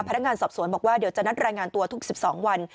พนักงานสอบสวนบอกว่าเดี๋ยวจะนัดรายงานตัวทุก๑๒วัน